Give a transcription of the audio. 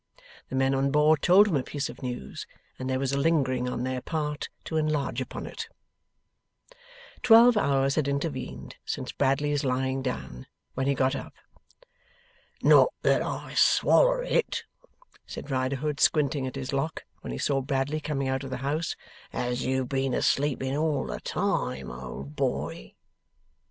The men on board told him a piece of news, and there was a lingering on their part to enlarge upon it. Twelve hours had intervened since Bradley's lying down, when he got up. 'Not that I swaller it,' said Riderhood, squinting at his Lock, when he saw Bradley coming out of the house, 'as you've been a sleeping all the time, old boy!